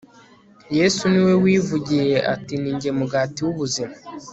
yezu, niwe wivugiye ati ni jye mugati w'ubuzima